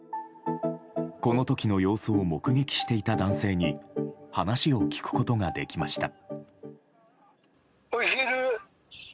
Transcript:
この時の様子を目撃していた男性に話を聞くことができました。